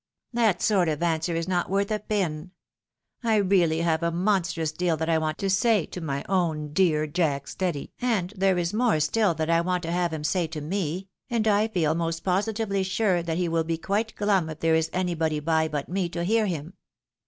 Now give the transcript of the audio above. " That sort of answer is not worth a pin. I really have a monstrous deal that I want to say to my own dear Jack Steady, and there is more still that I want to have him say to me, and I feel most positively sure that he will be quite glum if there is anybody by but me to hear him.